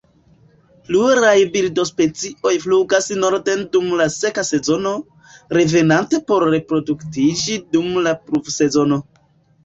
Pluraj birdospecioj flugas norden dum la seka sezono, revenante por reproduktiĝi dum la pluvsezono.